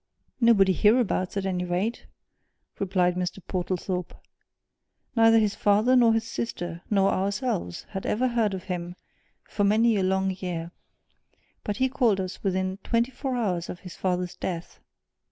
"Nobody hereabouts, at any rate," replied Mr. Portlethorpe. "Neither his father, nor his sister, nor ourselves had heard of him for many a long year. But he called on us within twenty four hours of his father's death."